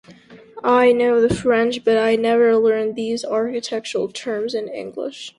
I know the French, but I've never learned these architectural terms in English.